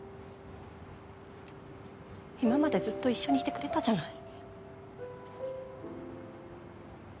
今までずっと一緒にいてくれたじゃない。